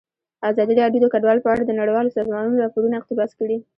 ازادي راډیو د کډوال په اړه د نړیوالو سازمانونو راپورونه اقتباس کړي.